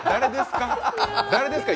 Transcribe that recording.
誰ですか？